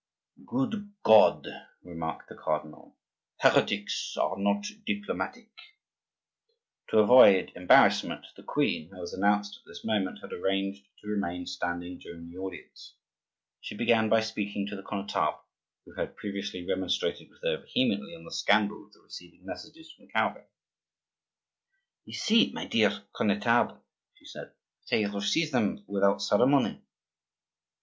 "Good God!" remarked the cardinal, "heretics are not diplomatic!" To avoid embarrassment, the queen, who was announced at this moment, had arranged to remain standing during the audience. She began by speaking to the Connetable, who had previously remonstrated with her vehemently on the scandal of receiving messengers from Calvin. "You see, my dear Connetable," she said, "that I receive them without ceremony."